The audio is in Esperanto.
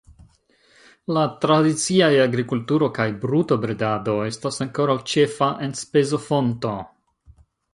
La tradiciaj agrikulturo kaj brutobredado estas ankoraŭ ĉefa enspezofonto.